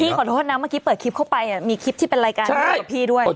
ขอโทษนะเมื่อกี้เปิดคลิปเข้าไปมีคลิปที่เป็นรายการคุยกับพี่ด้วย